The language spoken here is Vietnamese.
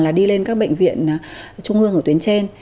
là đi lên các bệnh viện trung ương ở tuyến trên